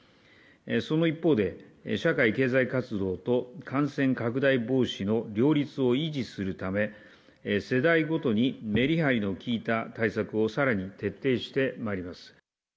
その一方で、社会経済活動と感染拡大防止の両立を維持するため、世代ごとにメリハリの利いた対策を、さらに徹底してまいります。